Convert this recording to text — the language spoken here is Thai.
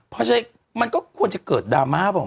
เพราะฉะนั้นมันก็ควรจะเกิดดราม่าเปล่า